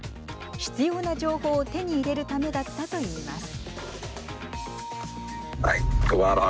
必要な情報を手に入れるためだったといいます。